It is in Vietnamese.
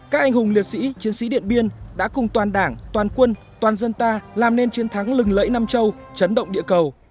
các anh hùng liệt sĩ chiến sĩ điện biên đã cùng toàn đảng toàn quân toàn dân ta làm nên chiến thắng lừng lẫy nam châu chấn động địa cầu